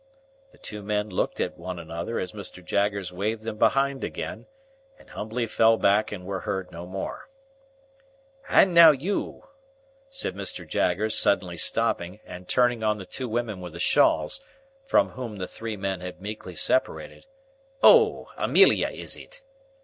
The two men looked at one another as Mr. Jaggers waved them behind again, and humbly fell back and were heard no more. "And now you!" said Mr. Jaggers, suddenly stopping, and turning on the two women with the shawls, from whom the three men had meekly separated,—"Oh! Amelia, is it?"